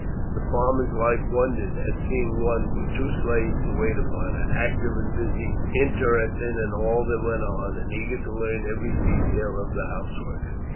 The farmer's wife wondered at seeing one, with two slaves to wait upon her, active and busy, interested in all that went on, and eager to learn every detail of the housework.